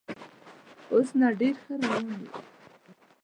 اوس نه، ډېر ښه روان یو.